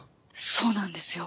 そうなんですよ。